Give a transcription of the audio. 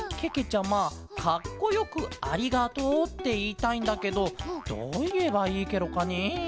ちゃまかっこよく「ありがとう」っていいたいんだけどどういえばいいケロかねえ？